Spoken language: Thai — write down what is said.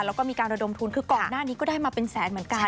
แล้วก็มีการระดมทุนคือก่อนหน้านี้ก็ได้มาเป็นแสนเหมือนกัน